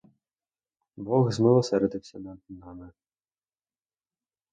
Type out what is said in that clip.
Бог змилосердився над нами.